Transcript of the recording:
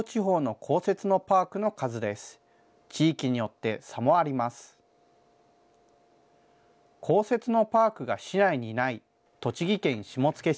公設のパークが市内にない、栃木県下野市。